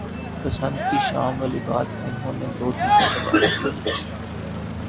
پسند کی شام والی بات انہوں نے دو تین مرتبہ کہی۔